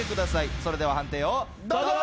それでは判定をどうぞ。